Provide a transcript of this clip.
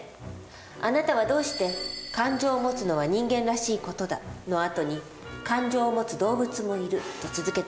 あなたはどうして「感情を持つのは人間らしい事だ」の後に「感情を持つ動物もいる」と続けたの？